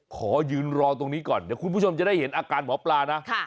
ขอยืนรอตรงนี้ก่อนเดี๋ยวคุณผู้ชมจะได้เห็นอาการหมอปลานะ